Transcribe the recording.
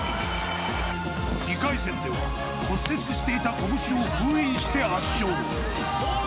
２回戦では骨折していた拳を封印して圧勝。